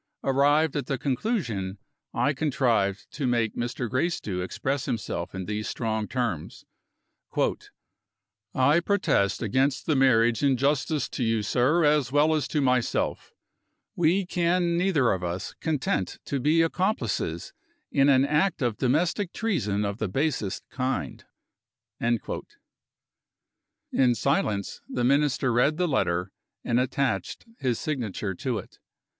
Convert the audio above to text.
Arrived at the conclusion, I contrived to make Mr. Gracedieu express himself in these strong terms: "I protest against the marriage in justice to you, sir, as well as to myself. We can neither of us content to be accomplices in an act of domestic treason of the basest kind." In silence, the Minister read the letter, and attached his signature to it.